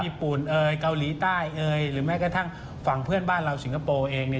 ญี่ปุ่นเอ่ยเกาหลีใต้หรือแม้กระทั่งฝั่งเพื่อนบ้านเราสิงคโปร์เอง